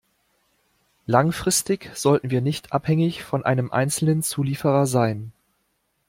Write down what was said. Langfristig sollten wir nicht abhängig von einem einzelnen Zulieferer sein.